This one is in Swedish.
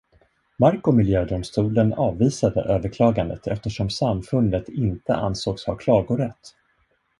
Mark- och miljödomstolen avvisade överklagandet eftersom samfundet inte ansågs ha klagorätt.